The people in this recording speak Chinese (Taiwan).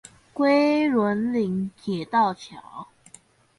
龜崙嶺鐵道橋